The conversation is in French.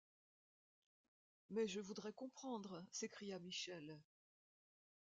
Mais je voudrais comprendre! s’écria Michel.